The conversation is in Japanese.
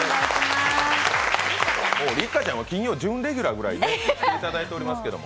六花ちゃんは金曜準レギュラーぐらい来ていただいてますけど。